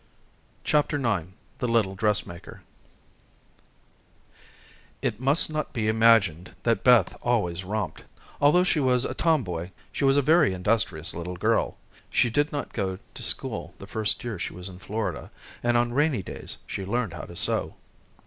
CHAPTER IX The Little Dressmaker It must not be imagined that Beth always romped. Although she was a tomboy, she was a very industrious little girl. She did not go to school the first year she was in Florida, and on rainy days she learned how to sew.